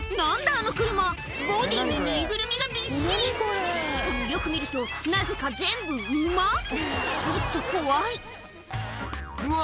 あの車ボディーにぬいぐるみがびっしりしかもよく見るとなぜか全部馬ちょっと怖いうわ